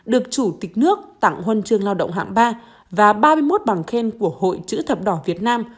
được chủ tịch nước tặng huân chương lao động hạng ba và ba mươi một bằng khen của hội chữ thập đỏ việt nam